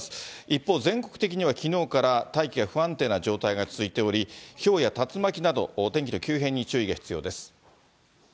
一方、全国的にはきのうから大気が不安定な状態が続いており、ひょうや竜巻など、天気の急変に注意が必要です。